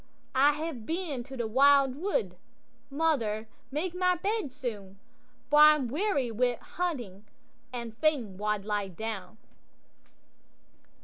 '—'I hae been to the wild wood; mother, make my bed soon, For I'm weary wi' hunting, and fain wald lie down.